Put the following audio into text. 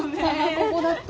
こごだった。